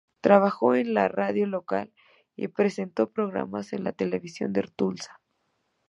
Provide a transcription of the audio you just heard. Trabajó en la radio local y presentó programas en la televisión de Tulsa.